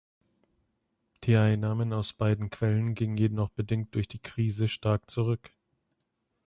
Die Einnahmen aus beiden Quellen gingen jedoch bedingt durch die Krise stark zurück.